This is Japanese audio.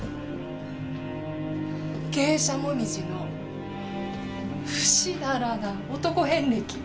芸者紅葉のふしだらな男遍歴。